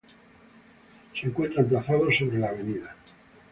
Se encuentra emplazado sobre la Av.